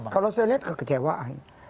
kalau saya lihat kekecewaan